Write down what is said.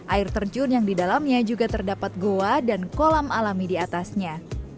air terjun yang di dalamnya juga terdapat goa dan kolam alami di atasnya